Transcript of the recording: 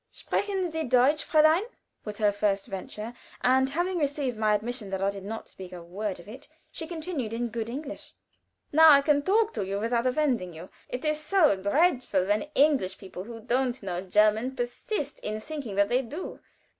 "Sprechen Sie Deutsch, Fräulein?" was her first venture, and having received my admission that I did not speak a word of it, she continued, in good English: "Now I can talk to you without offending you. It is so dreadful when English people who don't know German persist in thinking that they do.